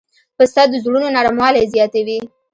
پسه د زړونو نرموالی زیاتوي.